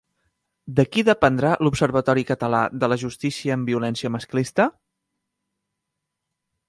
De qui dependrà l'Observatori Català de la Justícia en Violència Masclista?